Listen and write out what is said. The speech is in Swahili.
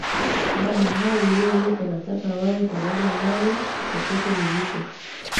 Baba hao ulionipa nataka wawe pamoja nami popote nilipo